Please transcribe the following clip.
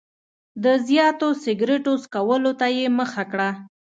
د زیاتو سګرټو څکولو ته مې مخه کړه.